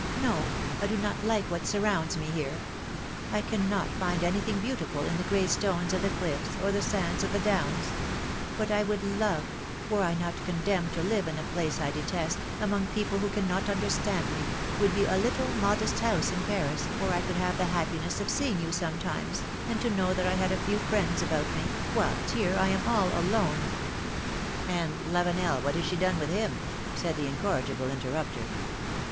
No, I do not like what surrounds me here ; I cannot find anything beautiful in the gray stones of the cliffs, or the sands of the downs ; what I would love, were I not condemned to live in a 316 philom^:ne's marriages. place I detest, among people who cannot understand me, would be a little, modest house in Paris, where I could have the happiness of seeing you sometimes, and to know that I had a few friends about me, M^hilst here I am all alone — ^^And Lavenel, what has she done with him ?" said the incorrigible interrupter.